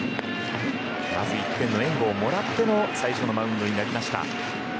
まず１点の援護をもらっての最初のマウンドです。